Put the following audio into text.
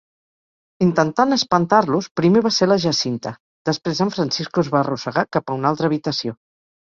Intentant espantar-los, primer va ser la Jacinta, després en Francisco es va arrossegar cap a una altra habitació.